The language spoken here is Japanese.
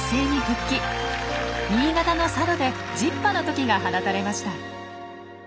新潟の佐渡で１０羽のトキが放たれました。